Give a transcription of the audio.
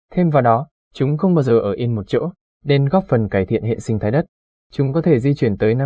thêm vào đó chúng không bao giờ ở yên một chỗ nên góp phần cải thiện hệ sinh thái đất chúng có thể di chuyển